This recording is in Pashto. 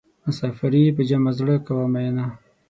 مسافري په جمع زړه کوه مینه.